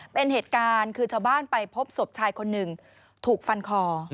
เป็นเหตุการณ์คือชาวบ้านไปพบศพชายคนหนึ่งถูกฟันคอ